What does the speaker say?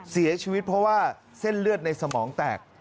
เสียชีวิตเพราะว่าเส้นเลือดในสมองแตก